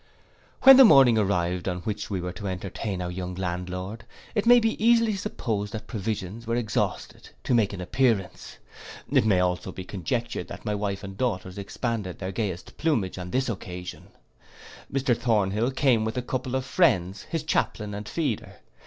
When the morning arrived on which we were to entertain our young landlord, it may be easily supposed what provisions were exhausted to make an appearance. It may also be conjectured that my wife and daughters expanded their gayest plumage upon this occasion. Mr Thornhill came with a couple of friends, his chaplain, and feeder.